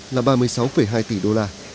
là ba mươi sáu hai tỷ đô la